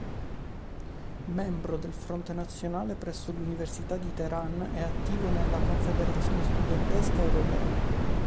Membro del Fronte Nazionale presso l'Università di Teheran, e attivo nella "Confederazione studentesca europea".